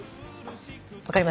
分かります？